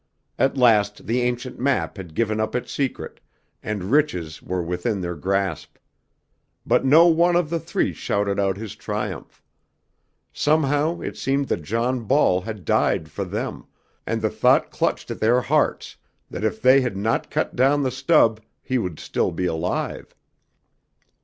At last the ancient map had given up its secret, and riches were within their grasp. But no one of the three shouted out his triumph. Somehow it seemed that John Ball had died for them, and the thought clutched at their hearts that if they had not cut down the stub he would still be alive.